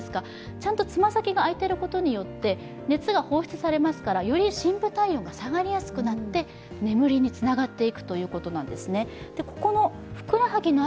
ちゃんとつま先が空いてることによって熱が放出されますからより深部体温が下がりやすくなって眠りにつながっていくということなんですね。